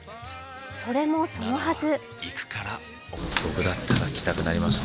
それもそのはず。